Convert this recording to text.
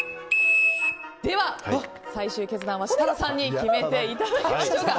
では、最終決断は設楽さんに決めていただきましょう。